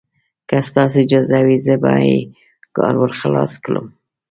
که ستاسې اجازه وي، زه به یې کار ور خلاص کړم.